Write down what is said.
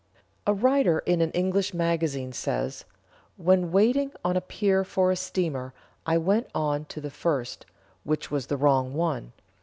A writer in an English magazine says: "When waiting on a pier for a steamer, I went on to the first, which was the wrong one.